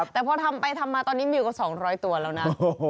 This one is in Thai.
แต่พอทำไปทำมาตอนนี้มีอยู่กว่า๒๐๐ตัวแล้วนะ